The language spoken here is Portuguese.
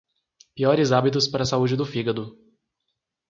Piores hábitos para a saúde do fígado